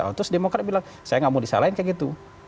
terus demokrat bilang saya nggak mau disalahin kayak gitu